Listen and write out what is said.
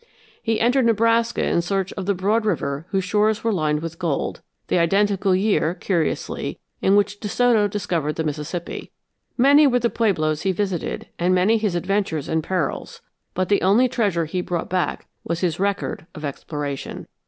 He entered Nebraska in search of the broad river whose shores were lined with gold the identical year, curiously, in which De Soto discovered the Mississippi. Many were the pueblos he visited and many his adventures and perils; but the only treasure he brought back was his record of exploration.